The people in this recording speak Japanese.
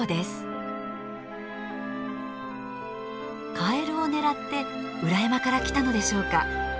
カエルを狙って裏山から来たのでしょうか。